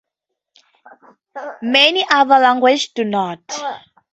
Many other languages do not.